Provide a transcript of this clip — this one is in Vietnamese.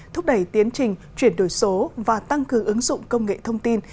thúc đẩy tiến trình chuyển đổi số và tăng cường ứng dụng công nghệ thông tin